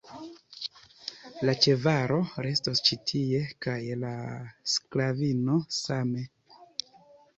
La ĉevalo restos ĉi tie, kaj la sklavino same.